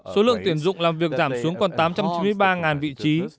số lượng tuyển dụng làm việc giảm xuống còn tám trăm chín mươi ba vị trí